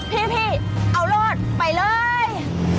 พี่เอารอดไปเลย